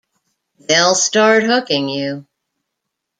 They'll start hooking you.